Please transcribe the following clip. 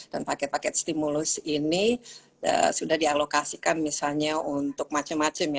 dan paket paket stimulus ini sudah dialokasikan misalnya untuk macam macam ya